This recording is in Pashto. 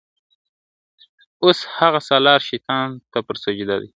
اوس هغه سالار شیطان ته پر سجده دی ..